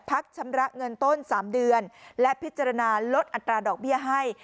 พักชำระเงินต้น๓เดือนและพิจารณาลดอัตราดอกเบี้ยให้